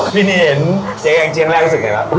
พี่นี่เห็นจ่ะกางจ้ากันแรกก็คิดไงล่ะ